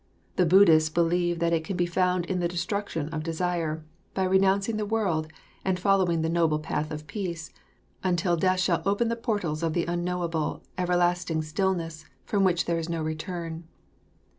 The Buddhists believe that it can be found in the destruction of desire, by renouncing the world and following the noble path of peace until death shall open the portals of the unknowable, everlasting stillness from which there is no return.